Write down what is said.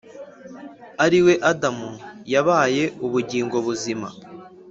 ariwe adamu, yabaye ubugingo buzima;